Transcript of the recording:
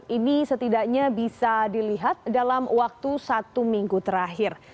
ini setidaknya bisa dilihat dalam waktu satu minggu terakhir